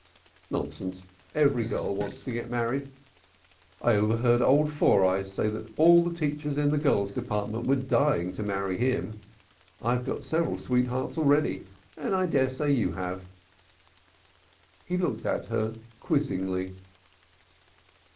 "Nonsense every girl wants to get married. I overheard Old Four Eyes say all the teachers in the girls' department were dying to marry him. I've got several sweethearts already, and I dare say you have." He looked at her quizzingly.